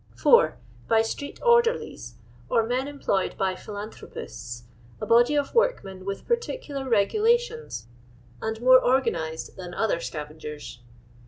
4. By street orderlies, or men employed by philanthropists — a body of workmen with par ticular regulations and more orgsmized than other scavengers.